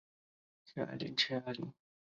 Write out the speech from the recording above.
他是大分裂发生后第二位驻罗马的教宗。